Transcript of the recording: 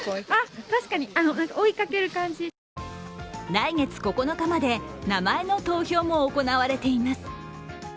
来月９日まで名前の投票も行われています。